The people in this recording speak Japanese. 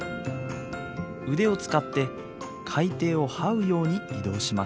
腕を使って海底をはうように移動します。